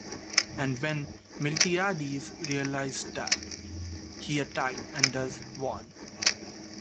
And when Miltiades realized that, he attacked and thus won.